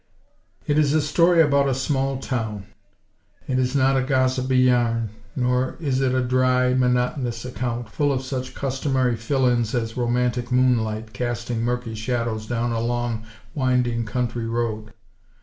It is a story about a small town. It is not a gossipy yarn; nor is it a dry, monotonous account, full of such customary "fill ins" as "romantic moonlight casting murky shadows down a long, winding country road."